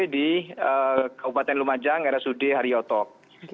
di kabupaten lumajang rsud haryotok